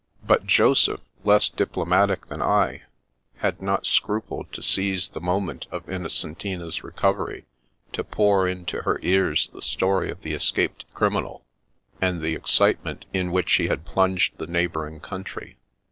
But Joseph, less diplomatic than I, had not scrupled to seize the mcMnent of Innocentina's recovery to pour into her ears the story of the escaped criminal, and the ex citement in which he had plunged the neighbouring country.